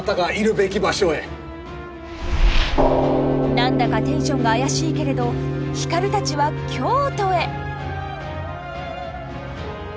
何だかテンションが怪しいけれど光たちは京都へ。